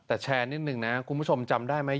แต่แชร์นิดนึงนะคุณผู้ชมจำได้ไหม